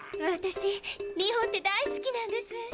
私日本って大好きなんです。